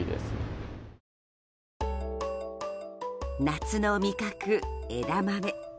夏の味覚、枝豆。